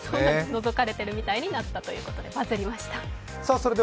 のぞかれているみたいになったということでバズりました。